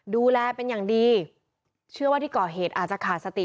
ดูแลเป็นอย่างดีเชื่อว่าที่ก่อเหตุอาจจะขาดสติ